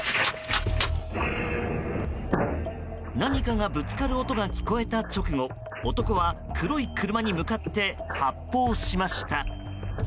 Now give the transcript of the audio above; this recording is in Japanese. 何かがぶつかる男が聞こえた直後男は黒い車に向かって発砲しました。